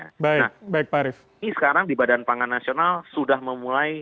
ini sekarang di badan pangan nasional sudah memulai